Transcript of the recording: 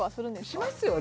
しますよ